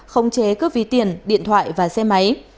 không chế cướp ví tiền điện thoại và xe máy